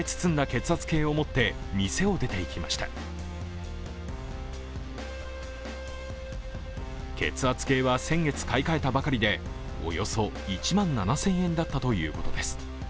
血圧計は先月買い換えたばかりでおよそ１万７０００円だったということです。